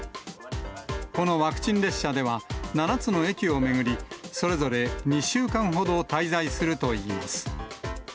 このワクチン列車では、７つの駅を巡り、それぞれ２週間ほど滞在するといいます。